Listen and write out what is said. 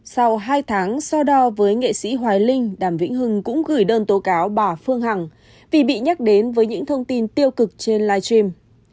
sau hai tháng so đo với nghệ sĩ hoài linh đàm vĩnh hưng cũng gửi đơn tố cáo bỏ phương hằng vì bị nhắc đến với những thông tin tiêu cực trên live stream